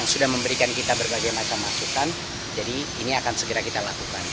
sudah memberikan kita berbagai macam masukan jadi ini akan segera kita lakukan